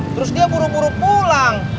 terus dia buru buru pulang